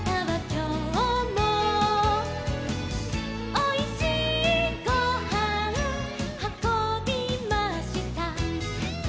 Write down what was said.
「おいしいごはんはこびました」